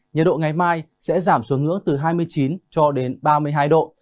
nhiệt độ ngày mai sẽ giảm xuống ngưỡng từ hai mươi chín cho đến ba mươi hai độ